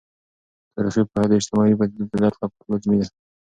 تاریخي پوهه د اجتماعي پدیدو د درک لپاره لازمي ده.